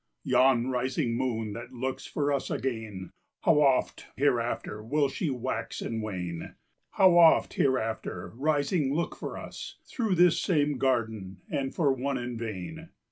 "Yon rising Moon that looks for us again, How oft hereafter will she wax and wane; How oft hereafter, rising, look for us! Through this same Garden—and for one in vain.